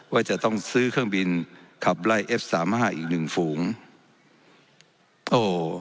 ว่าจะต้องซื้อเครื่องบินขับไล่เอฟสามห้าอีกหนึ่งฝูงโอ้